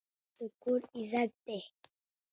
پلار د کور عزت دی.